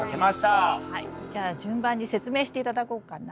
じゃあ順番に説明して頂こうかな。